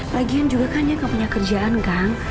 lagian juga kan yang nggak punya kerjaan kang